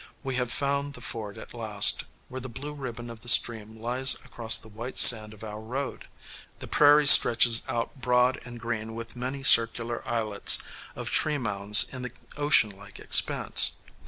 We have found the ford at last, where the blue ribbon of the stream lies across the white sand of our road. The prairie stretches out broad and green with many circular islets of tree mounds in the ocean like expanse.